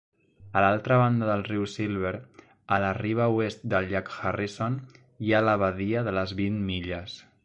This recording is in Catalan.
A l'altra banda del riu Silver, a la riba oest del llac Harrison, hi ha la badia de les Vint Milles.